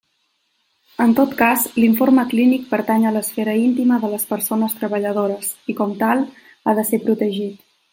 En tot cas, l'informe clínic pertany a l'esfera íntima de les persones treballadores i com tal ha de ser protegit.